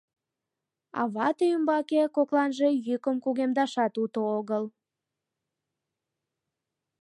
А вате ӱмбаке кокланже йӱкым кугемдашат уто отыл.